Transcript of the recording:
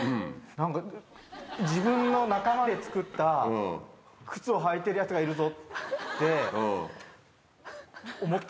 何か自分の仲間で作った靴を履いてるヤツがいるぞって思ったら。